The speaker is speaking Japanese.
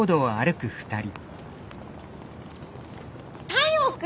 太陽君？